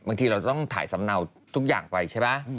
บางทีเราต้องถ่ายสำเนาทุกอย่างไปใช่ไหม